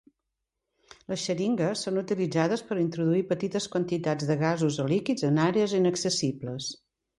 Les xeringues són utilitzades per introduir petites quantitats de gasos o líquids en àrees inaccessibles.